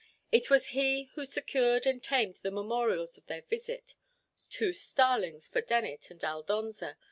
It was he who secured and tamed the memorials of their visit—two starlings for Dennet and Aldonza.